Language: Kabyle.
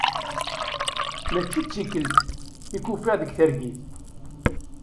Mačči tikelt i k-ufiɣ deg targit.